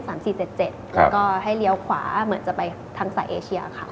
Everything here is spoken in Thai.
แล้วก็ให้เลี้ยวขวาเหมือนจะไปทางสายเอเชียค่ะ